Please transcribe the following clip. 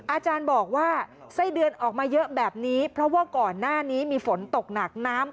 อาจารย์บอกว่าไส้เดือนออกมาเยอะแบบนี้เพราะว่าก่อนหน้านี้มีฝนตกหนักน้ำ